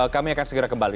kami akan segera kembali